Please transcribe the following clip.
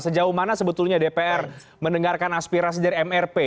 sejauh mana sebetulnya dpr mendengarkan aspirasi dari mrp